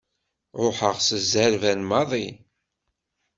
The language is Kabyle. Ruḥeɣ s zzerban maḍi.